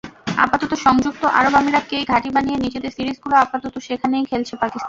আপাতত সংযুক্ত আরব আমিরাতকেই ঘাঁটি বানিয়ে নিজেদের সিরিজগুলো আপাতত সেখানেই খেলছে পাকিস্তান।